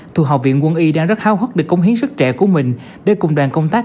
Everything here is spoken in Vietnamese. thuộc học viện quân y đang rất háo hức để cống hiến sức trẻ của mình để cùng đoàn công tác